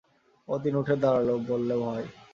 অতীন উঠে দাঁড়াল, বললে ভয়!